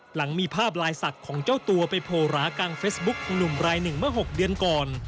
หลังมีภาพลายศักดิ์ของเจ้าตัวไปโผล่หรากลางเฟซบุ๊คของหนุ่มรายหนึ่งเมื่อ๖เดือนก่อน